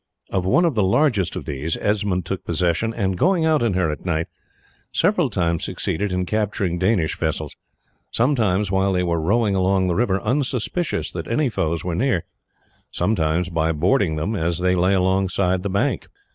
Of one of the largest of these Edmund took possession, and going out in her at night, several times succeeded in capturing Danish vessels, sometimes while they were rowing along the river unsuspicious that any foes were near, sometimes by boarding them as they lay alongside the bank.